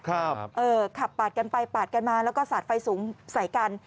เออขับปาดกันไปปาดกันมาแล้วก็สาดไฟสูงใส่กัน